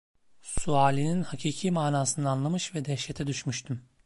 Sualinin hakiki manasını anlamış ve dehşete düşmüştüm.